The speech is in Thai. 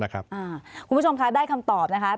คุณผู้ชมคะได้คำตอบนะคะ